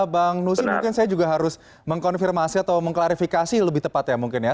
bang nusi mungkin saya juga harus mengkonfirmasi atau mengklarifikasi lebih tepat ya mungkin ya